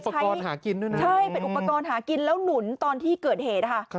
อุปกรณ์หากินด้วยนะใช่เป็นอุปกรณ์หากินแล้วหนุนตอนที่เกิดเหตุค่ะ